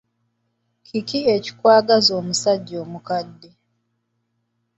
Kiki ekikwagaza omusajja omukadde?